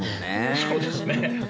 そうですね。